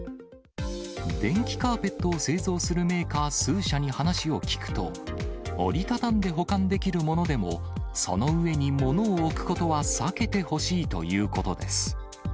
電気カーペットを製造するメーカー数社に話を聞くと、折り畳んで保管できるものでも、その上に物を置くことは避けてほしいということです。